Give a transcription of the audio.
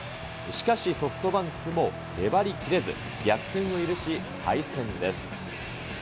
しかし、ソフトバンクも粘り切れず、逆転を許し、敗戦です。